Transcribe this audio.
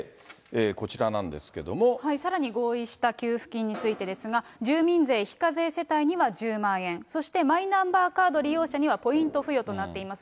さらに合意した給付金についてですが、住民税非課税世帯には１０万円、そしてマイナンバーカード利用者にはポイント付与となっています。